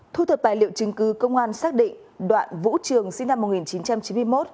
thu thập tài liệu chứng cứ công an xác định đoạn vũ trường sinh năm một nghìn chín trăm chín mươi một